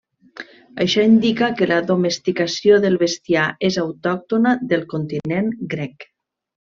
Això indica que la domesticació del bestiar és autòctona del continent grec.